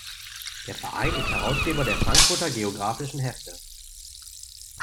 Der Verein ist Herausgeber der Frankfurter Geographischen Hefte.